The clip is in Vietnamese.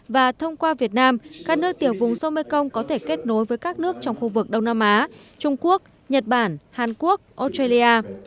và thông qua việt nam các nước tiểu vùng sông mekong có thể kết nối với các nước trong khu vực đông nam á trung quốc nhật bản hàn quốc australia